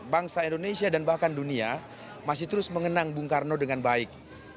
bangsa indonesia dan bahkan dunia masih terus mengenang bung karno dengan baik